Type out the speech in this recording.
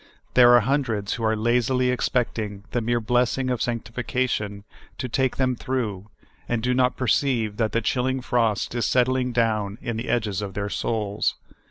There are hundreds who are lazily expecting the mere blessing of sanctificatiou to take them through, and do not per ceive that the chilling frost is settling down in the edges of their souls.